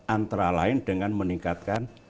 antara lain dengan meningkatkan